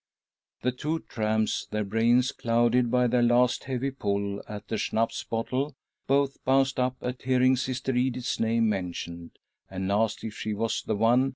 The two tramps, their brains clouded by their last heavy pull at the Schnapps bottle, both bounced up at hearing Sister Edith's name mentioned, and 1 Satiisk Biograph Co.